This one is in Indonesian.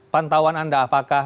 pantauan anda apakah